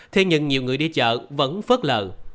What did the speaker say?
thế nhưng nhiều người đi chợ vẫn phớt lờ